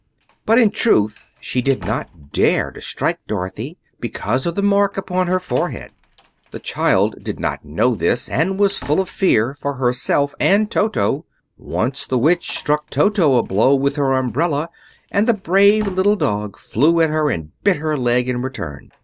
But, in truth, she did not dare to strike Dorothy, because of the mark upon her forehead. The child did not know this, and was full of fear for herself and Toto. Once the Witch struck Toto a blow with her umbrella and the brave little dog flew at her and bit her leg in return.